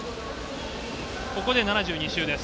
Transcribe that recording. ここで７２周です。